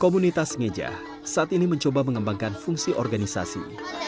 komunitas ngeja saat ini mencoba mengembangkan fungsi organisasi